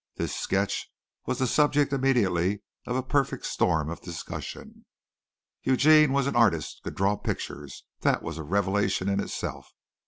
This sketch was the subject immediately of a perfect storm of discussion. Eugene was an artist could draw pictures that was a revelation in itself.